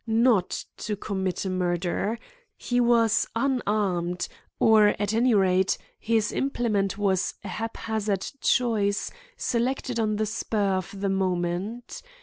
Not to commit a murder! He was unarmed, or, at any rate, his implement was a haphazard choice, selected on the spur of the moment.